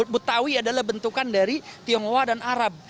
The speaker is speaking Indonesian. betawi adalah bentukan dari tionghoa dan arab